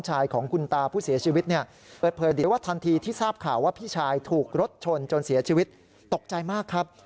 จนเสียชีวิตตกใจมากครับ